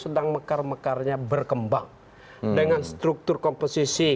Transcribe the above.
dengan struktur komposisi